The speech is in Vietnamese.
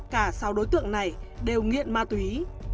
cả sáu đối tượng này đều nghiện ma túy